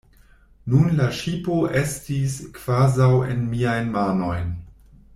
Nun la ŝipo estis kvazaŭ en miajn manojn.